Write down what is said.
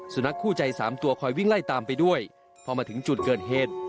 สุนัขคู่ใจสามตัวคอยวิ่งไล่ตามไปด้วยพอมาถึงจุดเกิดเหตุ